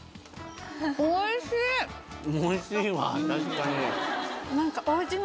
おいしいわ確かに。